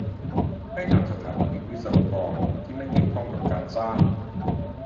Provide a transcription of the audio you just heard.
ให้ถามสถาปนิก-วิศวกร ที่ไม่เกี่ยวข้องกับการสร้าง